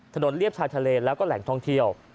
เรียบชายทะเลแล้วก็แหล่งท่องเที่ยว